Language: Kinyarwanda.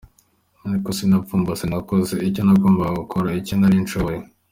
Ariko sinipfumbase nakoze icyo nagombaga gukora, icyo nari nshoboye.